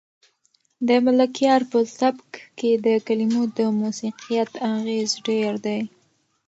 د ملکیار په سبک کې د کلمو د موسیقیت اغېز ډېر دی.